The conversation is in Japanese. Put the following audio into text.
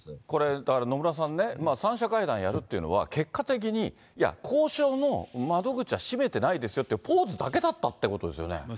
これ、だから、野村さんね、３者会談やるっていうのは結果的にいや、交渉の窓口は閉めてないですよって、ポーズだけだったってことですよね。